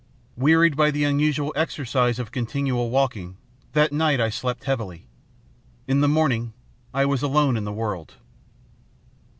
"Wearied by the unusual exercise of continual walking, that night I slept heavily. In the morning I was alone in the world.